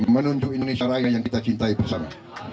menunjuk indonesia raya yang kita cintai bersama